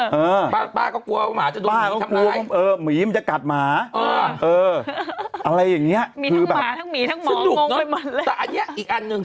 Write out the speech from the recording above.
มีทั้งบาทั้งหมีทั้งหมองเลยแต่อันอย่างอีกอันหนึ่ง